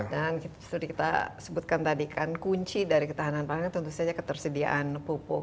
dan kita sebutkan tadi kan kunci dari ketahanan pangan tentu saja ketersediaan pupuk